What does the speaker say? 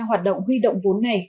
hoạt động huy động vốn này